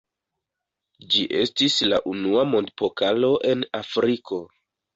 Ĝi estis la unua mondpokalo en Afriko.